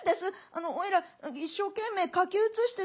あのおいら一生懸命書き写してて。